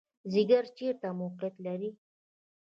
ځیګر چیرته موقعیت لري؟